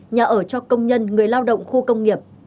nhà ở cho công nhân người lao động khu công nghiệp